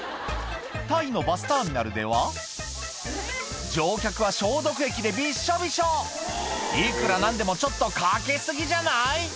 タイのバスターミナルでは乗客は消毒液でびっしょびしょいくら何でもちょっとかけ過ぎじゃない？